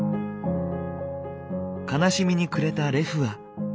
悲しみに暮れたレフア。